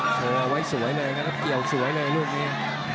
เชอร์ไว้สวยเลยแล้วก็เกี่ยวสวยเลยลูกนี้